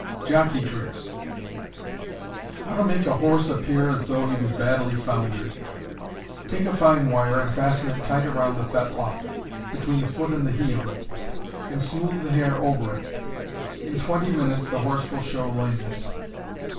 Jockey Tricks. How to make a horse appear as though he was badly Foundered. Take a fine wire and fasten it tight around the fetlock, between the foot and the heel, and smooth the hair over it. In twenty minutes the horse will show lameness.